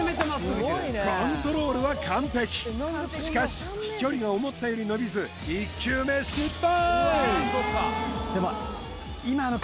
コントロールは完璧しかし飛距離が思ったより伸びず１球目失敗